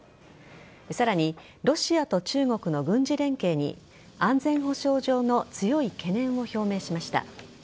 さらにロシアと中国の軍事連携に安全保障上の強い懸念を表明しました。